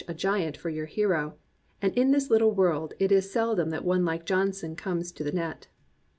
313 COMPANIONABLE BOOKS a giant for your hero; and in this little world it is seldom that one like Johnson comes to the net.